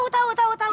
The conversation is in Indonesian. tau tau tau